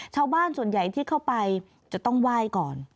ชาวบ้านส่วนใหญ่ที่เข้าไปจะต้องไหว้ก่อน